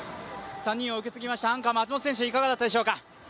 ３人を受け継ぎました、アンカーの松元選手、いかがだったでしょうか。